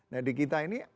nah di kita ini